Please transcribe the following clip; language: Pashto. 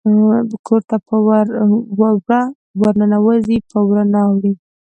کور ته په وره ورننوزي په ور نه اوړي